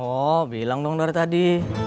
oh bilang dong nur tadi